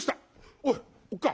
おいおっかあ